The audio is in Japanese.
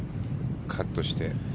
カットして。